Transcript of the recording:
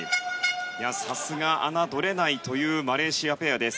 さすが、侮れないというマレーシアペアです。